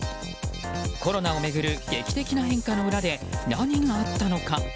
コロナを巡る劇的な変化の裏で何があったのか。